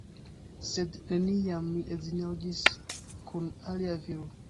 Sed neniam mi edziniĝos kun alia viro.